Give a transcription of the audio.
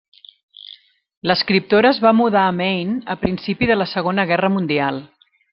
L'escriptora es va mudar a Maine a principi de la Segona Guerra Mundial.